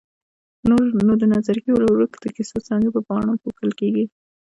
نو د نظرګي ورورک د کیسو څانګې په پاڼو پوښل کېږي.